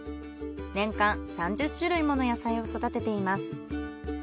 年間３０種類もの野菜を育てています。